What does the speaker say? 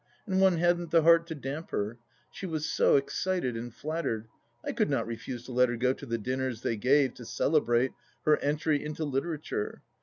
And one hadn't the heart to damp her. She was so excited and flattered. I could not refuse to let her go to the dinners they gave to celebrate her " entry into Literature."